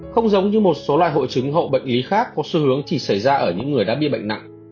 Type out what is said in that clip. không giống như một số loại hội chứng hậu bệnh lý khác có xu hướng chỉ xảy ra ở những người đã bị bệnh nặng